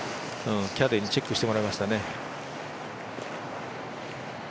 キャディーにチェックしてましたね。